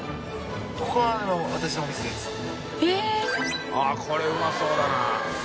・ここはあっこれうまそうだな。